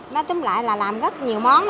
nói chung lại là làm rất nhiều món